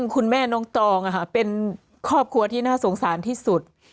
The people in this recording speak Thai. คุณแม่น้องตองเป็นครอบครัวที่น่าสงสารที่สุด